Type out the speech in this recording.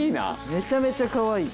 めちゃめちゃかわいい！